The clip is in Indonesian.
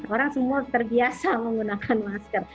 orang semua terbiasa menggunakan masker